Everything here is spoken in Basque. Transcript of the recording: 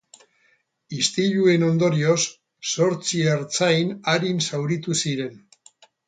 Istiluen ondorioz, zortzi ertzain arin zauritu ziren.